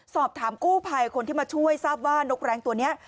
สอบถามกู้ภัยคนที่มาช่วยทราบว่านกแรงตัวนี้